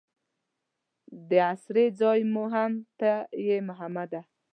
د اسرې ځای مو هم ته یې محمده.